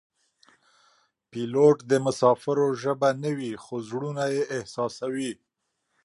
پیلوټ د مسافرو ژبه نه وي خو زړونه یې احساسوي.